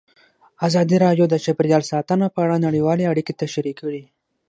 ازادي راډیو د چاپیریال ساتنه په اړه نړیوالې اړیکې تشریح کړي.